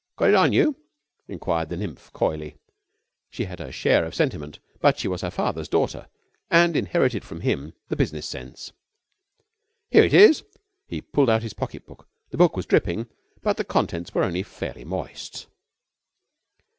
"Got it on you?" inquired the nymph coyly. She had her share of sentiment, but she was her father's daughter and inherited from him the business sense. "Here it is." He pulled out his pocket book. The book was dripping, but the contents were only fairly moist.